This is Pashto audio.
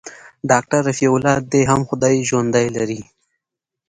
ډاکتر رفيع الله دې هم خداى ژوندى لري.